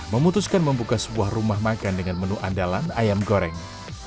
memutuskan membuka sebuah rumah makan dengan menu andalan ayam goreng